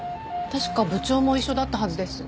確か部長も一緒だったはずです。